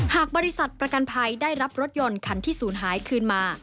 หากบริษัทประกันภัยได้รับรถยนต์คันที่ศูนย์หายคืนมา